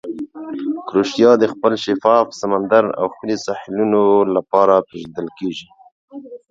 کروشیا د خپل شفاف سمندر او ښکلې ساحلونو لپاره پېژندل کیږي.